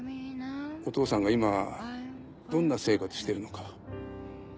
お父さんが今どんな生活してるのか。